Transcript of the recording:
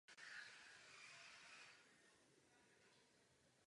To způsobilo zpomalení světového obchodu a dokonce některé státy zavedli imigrační kvóty.